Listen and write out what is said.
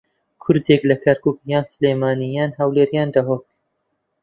کوردێک لە کەرکووک یان سلێمانی یان هەولێر یان دهۆک